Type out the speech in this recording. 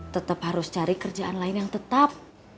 tetap harus cari kerjaan lain yang tetap